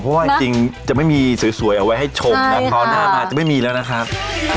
เพราะว่าจริงจะไม่มีสวยเอาไว้ให้ชมนะคราวหน้ามาจะไม่มีแล้วนะครับ